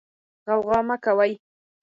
غوغا مه کوئ.